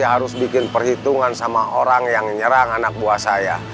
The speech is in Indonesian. ya harus bikin perhitungan sama orang yang nyerang anak buah saya